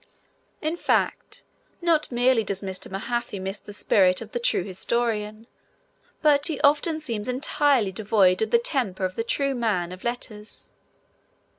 In fact, not merely does Mr. Mahaffy miss the spirit of the true historian, but he often seems entirely devoid of the temper of the true man of letters.